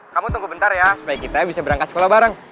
kamu tunggu bentar ya supaya kita bisa berangkat sekolah bareng